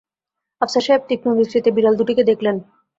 আফসার সাহেব তীক্ষ্ণ দৃষ্টিতে বিড়াল দুটিকে দেখলেন।